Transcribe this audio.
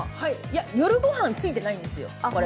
夜御飯がついてないんですよ。